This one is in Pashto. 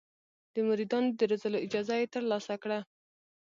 د مریدانو د روزلو اجازه یې ترلاسه کړه.